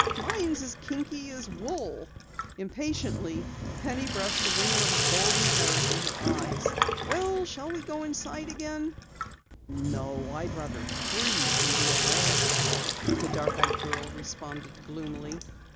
"Mine's as kinky as wool." Impatiently Penny brushed a ringlet of golden hair from her eyes. "Well, shall we go inside again?" "No, I'd rather freeze than be a wallflower," the dark eyed girl responded gloomily.